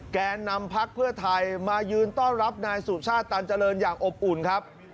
แกนนำพักเพื่อไทยมายืนต้อนรับนายสุชาติตันเจริญอย่างอบอุ่นครับ